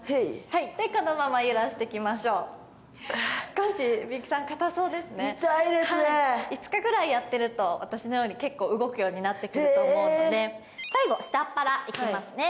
はいこのまま揺らしていきましょう少し幸さん硬そうですね痛いですね５日ぐらいやってると私のように結構動くようになってくると思うので最後下っ腹いきますね